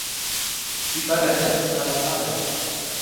Wie war dein erstes Mal anal?